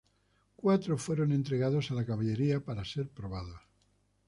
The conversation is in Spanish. Cuatro fueron entregados a la Caballería para ser probados.